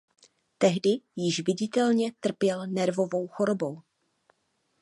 Tehdy již viditelně trpěl nervovou chorobou.